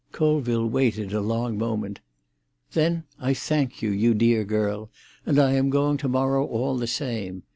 Colville waited a long moment. "Then, I thank you, you dear girl, and I am going to morrow, all the same.